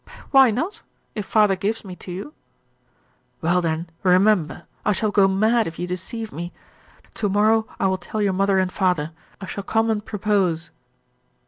'Why not, if father gives me to you?' 'Well then remember, I shall go mad if you deceive me. To morrow I will tell your mother and father. I shall come and propose.'